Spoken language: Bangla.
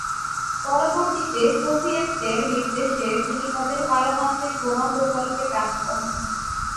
পরবর্তীতে সোভিয়েতদের নির্দেশে তিনি তাদের পারমাণবিক বোমা প্রকল্পে কাজ করেন।